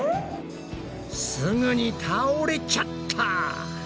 すぐに倒れちゃった。